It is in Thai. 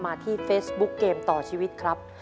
มาที่เฟซบุ๊กเกมต่อชีวิตครับ